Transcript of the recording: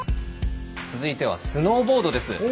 続いてはスノーボードです。